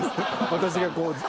私がこう。